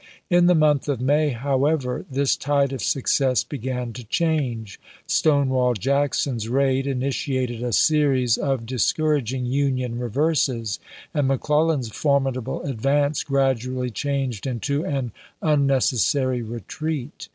In the month of May, however, this tide of success began to change. Stonewall Jack son's raid initiated a series of discouraging Union reverses, and McClellan's formidable advance grad ually changed into an unnecessary retreat.